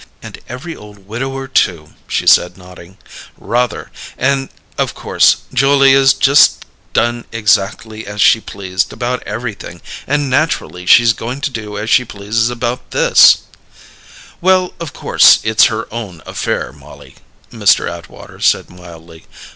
"And every old widower, too," she said, nodding. "Rather! And of course Julia's just done exactly as she pleased about everything, and naturally she's going to do as she pleases about this." "Well, of course it's her own affair, Mollie," Mr. Atwater said mildly.